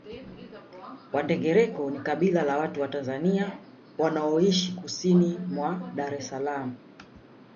Wandengereko ni kabila la watu wa Tanzania wanaoishi kusini mwa Dar es Salaam